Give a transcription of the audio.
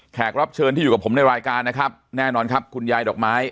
รับเชิญที่อยู่กับผมในรายการนะครับแน่นอนครับคุณยายดอกไม้